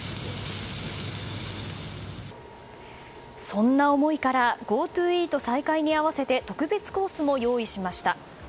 そんな思いからＧｏＴｏイート再開に合わせて特別コースも用意しました。